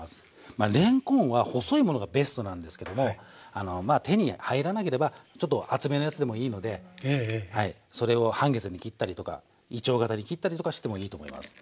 まあれんこんは細いものがベストなんですけども手に入らなければちょっと厚めのやつでもいいのでそれを半月に切ったりとかいちょう形に切ったりとかしてもいいと思います。